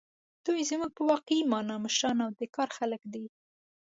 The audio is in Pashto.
دوی زموږ په واقعي مانا مشران او د کار خلک دي.